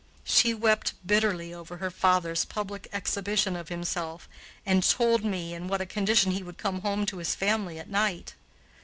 She wept bitterly over her father's public exhibition of himself, and told me in what a condition he would come home to his family at night.